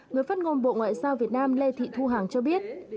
người phát ngôn bộ ngoại giao việt nam lê thị thu hằng cho biết